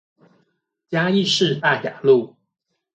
嘉義市大雅路